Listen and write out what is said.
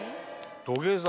土下座？